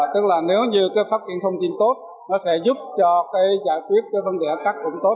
tức là nếu như phát triển thông tin tốt nó sẽ giúp giải quyết vấn đề cắt cũng tốt